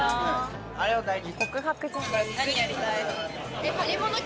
あれは大事。